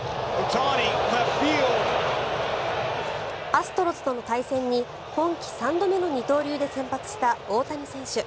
アストロズとの対戦に今季３度目の二刀流で先発した大谷選手。